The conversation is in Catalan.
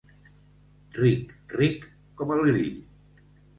Ric, ric, com el grill.